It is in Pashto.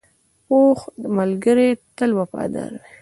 پوخ ملګری تل وفادار وي